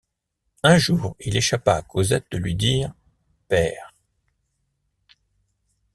Un jour il échappa à Cosette de lui dire: Père.